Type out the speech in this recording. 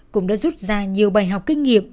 cũng đã rút ra nhiều bài học kinh nghiệm